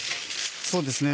そうですね。